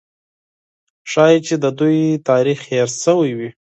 ښایي چې د دوی تاریخ هېر سوی وي.